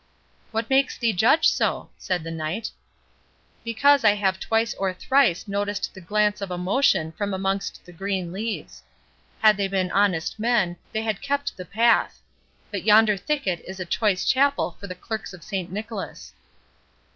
"What makes thee judge so?" said the Knight. "Because I have twice or thrice noticed the glance of a motion from amongst the green leaves. Had they been honest men, they had kept the path. But yonder thicket is a choice chapel for the Clerks of Saint Nicholas."